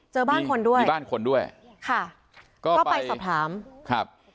เจอบ้านคนด้วยบ้านคนด้วยค่ะก็ก็ไปสอบถามครับ